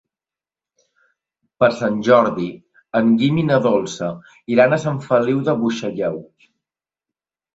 Per Sant Jordi en Guim i na Dolça iran a Sant Feliu de Buixalleu.